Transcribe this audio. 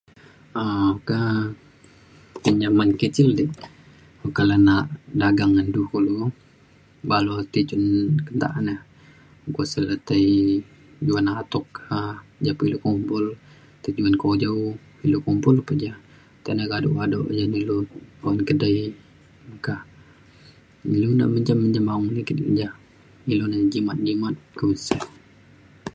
um oka pinjamin kecil di boka le nak dagang ngan du kulu balok ti cen kentak ne ukok se le tei juan atuk ka ja pa ilu kumpul tei pe ilu juan kujau ilu kumpul pe ja. tai ne kaduk kaduk ya ne ilu oyan kedai meka ilu ne menjam menjam aung ligit keja. ilu ne jimat jimat sey